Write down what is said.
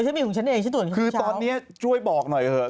เออฉันมีของฉันเองฉันตรวจนิดเช้าคือตอนนี้ช่วยบอกหน่อยเหอะ